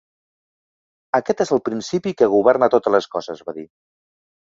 "Aquest és el principi que governa totes les coses" va dir.